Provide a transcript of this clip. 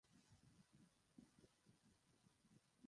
Silk রোডে অবস্থিত।